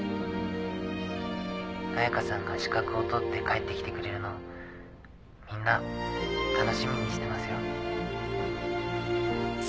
彩佳さんが資格を取って帰ってきてくれるのをみんな楽しみにしてますよ。